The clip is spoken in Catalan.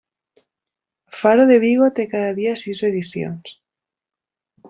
Faro de Vigo té cada dia sis edicions.